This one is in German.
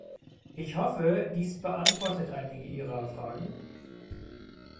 Ich hoffe, dies beantwortet einige Ihrer Fragen.